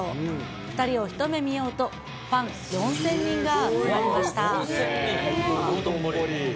２人を一目見ようと、ファン４０００人が集まりました。